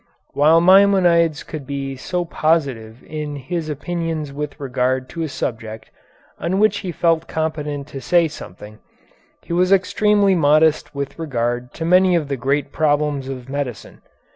'" While Maimonides could be so positive in his opinions with regard to a subject on which he felt competent to say something, he was extremely modest with regard to many of the great problems of medicine.